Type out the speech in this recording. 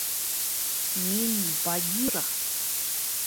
— Мин — Багира!